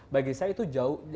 bagi saya itu jauh